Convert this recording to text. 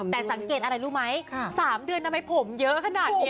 แต่สังเกตอะไรรู้ไหม๓เดือนทำไมผมเยอะขนาดนี้